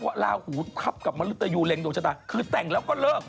ก็รู้สิว่ะถ้าไม่จะบอกอยู่นี้ก็จะไม่จะบอก